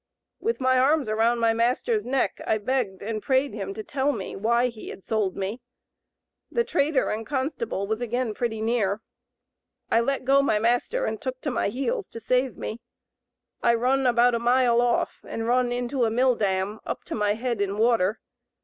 With my arms around my master's neck, I begged and prayed him to tell me why he had sold me. The trader and constable was again pretty near. I let go my master and took to my heels to save me. I run about a mile off and run into a mill dam up to my head in water.